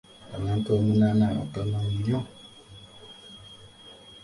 Abantu omunaana batono nnyo.